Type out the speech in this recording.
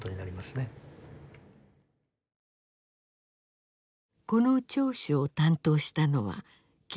この聴取を担当したのは警部補Ｚ。